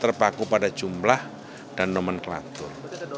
terpaku pada jumlah dan nomenklatur